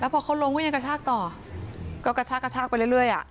แล้วพอเขาลงวิ่งกระชากต่อก็กระชากกระชากไปเรื่อย